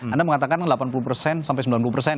anda mengatakan delapan puluh persen sampai sembilan puluh persen